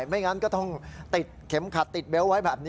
ไม่งั้นก็ต้องติดเข็มขัดติดเบลต์ไว้แบบนี้